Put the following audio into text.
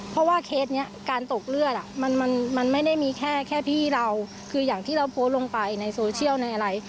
เพราะว่าเคสนี้การตกเลือดมันมันไม่ได้มีแค่แค่พี่เราคืออย่างที่เราโพสต์ลงไปในโซเชียลในอะไร